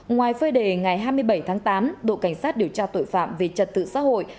ngoài phơi đề ngày hai mươi bảy tháng tám đội cảnh sát điều tra tội phạm về trật tự xã hội